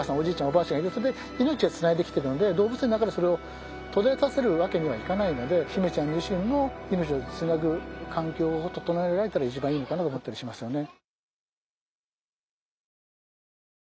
おばあちゃんがいることで命をつないできているので動物園の中でそれを途絶えさせるわけにはいかないので媛ちゃん自身の命をつなぐ環境を整えられたら一番いいのかなと思ったりしますよね。